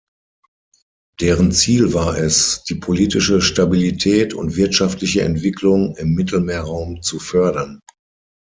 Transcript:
Deren Ziel war es, die politische Stabilität und wirtschaftliche Entwicklung im Mittelmeerraum zu fördern.